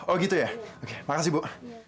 oh gitu ya oke makasih bu